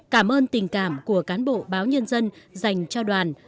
cảm ơn tình cảm của cán bộ báo nhân dân dành cho đoàn